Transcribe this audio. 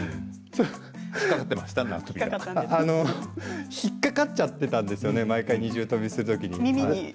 あの引っ掛かっちゃっていたんですよね、毎回二重跳びするときに。